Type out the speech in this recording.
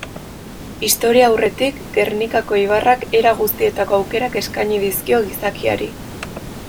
Historiaurretik Gernikako ibarrak era guztietako aukerak eskaini dizkio gizakiari.